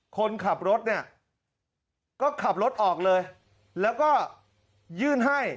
คนขับรถเนี่ยก็ขับรถออกเลยแล้วก็ยื่นให้